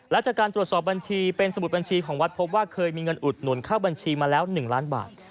และจากการตรวจสอบบัญชีเป็นสมุดบัญชีของวัดพบว่าเคยมีเงินอุดหนุนเข้าบัญชีมาแล้ว๑ล้านบาท